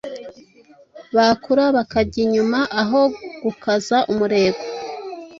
Bakura bajya inyuma aho gukaza umurego